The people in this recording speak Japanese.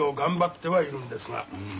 うん。